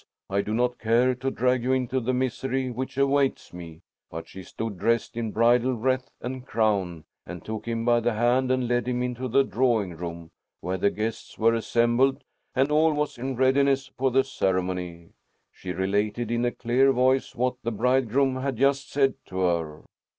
I do not care to drag you into the misery which awaits me.' But she stood, dressed in bridal wreath and crown, and took him by the hand and led him into the drawing room, where the guests were assembled and all was in readiness for the ceremony. She related in a clear voice what the bridegroom had just said to her.